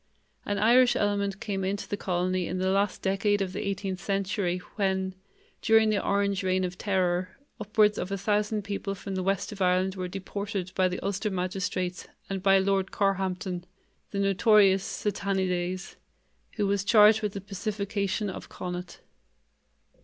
An Irish element came into the colony in the last decade of the eighteenth century when, during the Orange reign of terror, upwards of a thousand people from the west of Ireland were deported by the Ulster magistrates and by Lord Carhampton, the notorious "Satanides", who was charged with the pacification of Connacht.